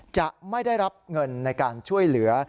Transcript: จะไม่ได้รับเงินในการช่วยเหลือ